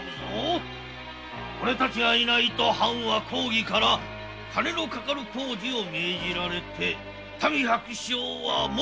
おれたちがいないと藩は公儀から金のかかる工事を命じられて民百姓はもっと苦しむのだ